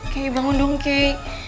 kek bangun dong kek